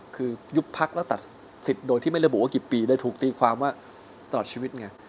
คือยุบพักแล้วตัดสิทธิ์โดยที่ไม่ระบุว่ากี่ปีโดยถูกตีความว่าตลอดชีวิตไง